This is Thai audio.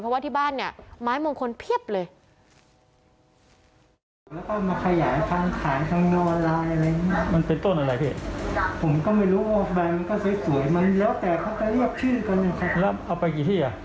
เพราะว่าที่บ้านเนี่ยไม้มงคลเพียบเลย